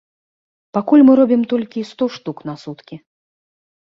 Пакуль мы робім толькі сто штук на суткі.